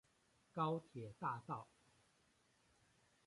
高鐵大道